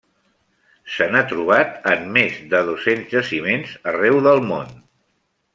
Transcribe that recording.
Se n'ha trobat en més dos-cents jaciments arreu del món.